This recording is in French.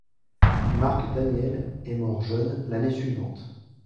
Mark Daniel est mort jeune l'année suivante.